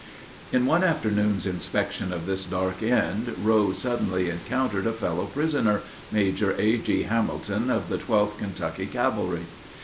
] In one afternoon's inspection of this dark end, Rose suddenly encountered a fellow prisoner, Major A.G. Hamilton, of the 12th Kentucky Cavalry.